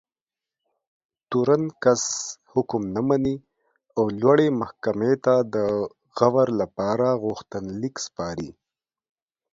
تورن کس حکم نه مني او لوړې محکمې ته د غور لپاره غوښتنلیک سپاري.